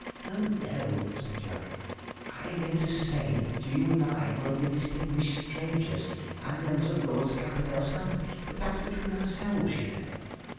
'No, no,' said Jack; 'I meant to say that you and I were the distinguished strangers and members of Lord Scamperdale's hunt; but that's between ourselves, you know.'